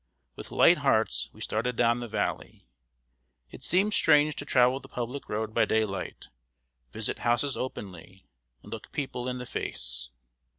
With light hearts we started down the valley. It seemed strange to travel the public road by daylight, visit houses openly, and look people in the face.